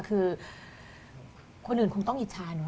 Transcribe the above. คือคนหลุนคงต้องอิจฉา